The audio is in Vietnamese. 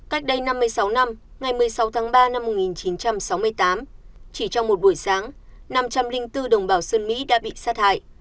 cách đây năm mươi sáu năm ngày một mươi sáu tháng ba năm một nghìn chín trăm sáu mươi tám chỉ trong một buổi sáng năm trăm linh bốn đồng bào sơn mỹ đã bị sát hại